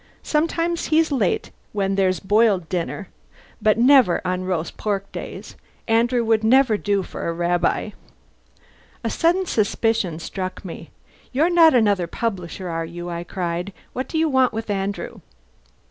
Sometimes he's late when there's boiled dinner, but never on roast pork days. Andrew would never do for a rabbi." A sudden suspicion struck me. "You're not another publisher, are you?" I cried. "What do you want with Andrew?"